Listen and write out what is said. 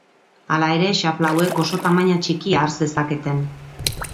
Hala ere, xafla hauek oso tamaina txikia har zezaketen.